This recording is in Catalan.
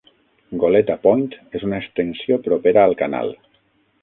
Goleta Point és una extensió propera al canal.